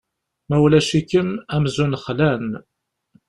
Ma ulac-ikem, amzun xlan.